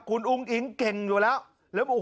อุ้งอิงเก่งอยู่แล้ว